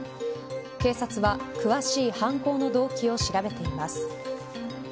警察は詳しい犯行の動機を調べています。